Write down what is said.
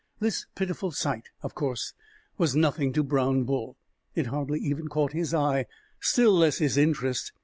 This pitiful sight, of course, was nothing to Brown Bull. It hardly even caught his eye, still less his interest.